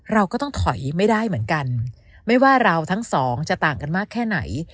เราก็ต้องถอยไม่ได้เหมือนกันไม่ว่าเราทั้งสองจะต่างกันมากแค่ไหน